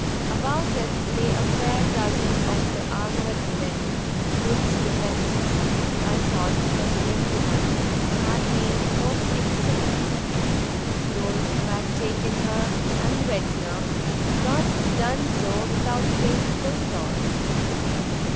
About it lay a fair dozen of the armored men. Ruth's defense, I thought with a grim delight, had been most excellent those who had taken her and Ventnor had not done so without paying full toll.